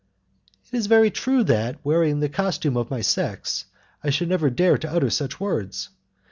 "It is very true that, wearing the costume of my sex, I should never dare to utter such words.